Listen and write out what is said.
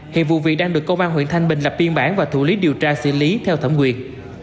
hiện vụ việc đang được công an huyện thanh bình lập biên bản và thủ lý điều tra xử lý theo thẩm quyền